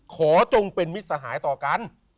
จงเป็นมิตรสหายต่อกัน